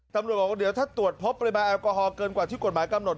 ตำรวจบอกว่าเดี๋ยวถ้าตรวจพบปริมาณแอลกอฮอลเกินกว่าที่กฎหมายกำหนด